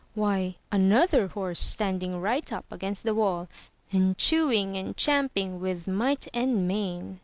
Why, another horse standing^^ht up against the wall, and chewing and champing withTmighP^nd main.